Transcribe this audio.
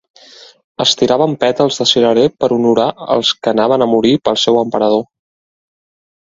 Es tiraven pètals de cirerer per honorar els que anaven a morir pel seu emperador.